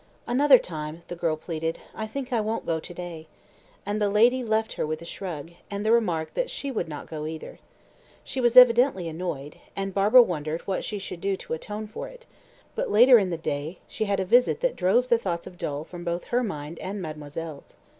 "Another time," the girl pleaded. "I think I won't go to day," and the lady left her with a shrug, and the remark that she would not go either. She was evidently annoyed, and Barbara wondered what she should do to atone for it; but later in the day she had a visit that drove the thoughts of Dol from both her mind and mademoiselle's.